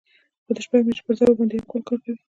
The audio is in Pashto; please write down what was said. خو د شپږو میاشتو پر ځای ورباندې یو کال کار کوي